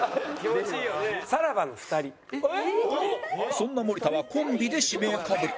そんな森田はコンビで指名かぶり